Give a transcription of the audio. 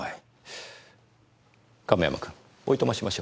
亀山君おいとましましょう。